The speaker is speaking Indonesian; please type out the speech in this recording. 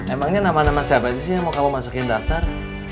emangnya nama nama siapa aja sih yang mau kamu masukin daftar